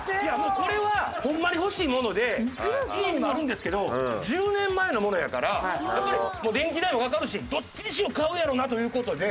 これはホンマに欲しいもので家にもあるんですけど１０年前のものやからやっぱりもう電気代もかかるしどっちにしろ買うやろなという事で。